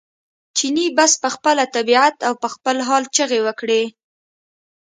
چیني بس په خپله طبعیت او په خپل حال چغې وکړې.